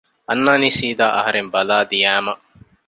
އަންނާނީ ސީދާ އަހަރެން ބަލާ ދިޔައިމަ